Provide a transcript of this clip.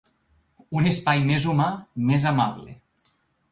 Un espai més humà, més amable.